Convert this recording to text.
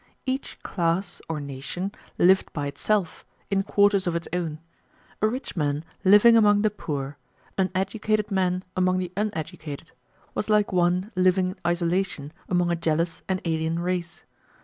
Each class or nation lived by itself, in quarters of its own. A rich man living among the poor, an educated man among the uneducated, was like one living in isolation among a jealous and alien race.